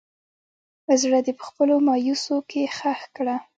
زړه دې په خپلو مايوسو کښې ښخ کړه